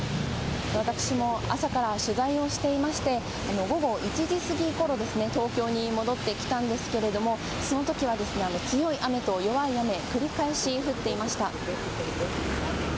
私も朝から取材をしていまして午後１時過ぎごろ東京に戻ってきたんですけれどもその時は強い雨と弱い雨が繰り返し降っていました。